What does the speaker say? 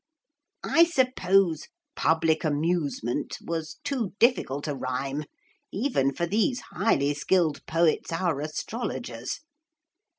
I suppose public amusement was too difficult a rhyme even for these highly skilled poets, our astrologers.